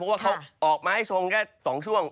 เพราะว่าเขาออกมาให้ทรงแค่๒ช่วง